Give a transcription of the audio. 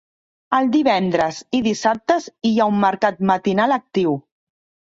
El divendres i dissabtes hi ha un mercat matinal actiu.